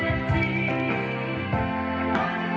แล้วมีสักครั้ง